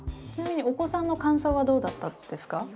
ちなみにお子さんの感想はどうだったんですか？